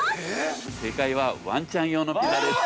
◆正解はワンちゃん用のピザです。